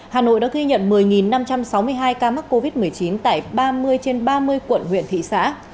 hà nội đã ghi nhận một mươi năm trăm sáu mươi hai ca mắc covid một mươi chín tại ba mươi trên ba mươi quận huyện thị xã